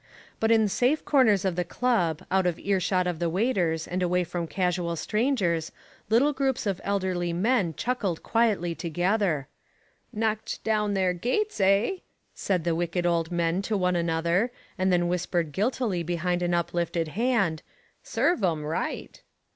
But in safe corners of the club, out of earshot of the waiters and away from casual strangers, little groups of elderly men chuckled quietly together. "Knocked down their gates, eh?" said the wicked old men to one another, and then whispered guiltily behind an uplifted hand, "Serve 'em right."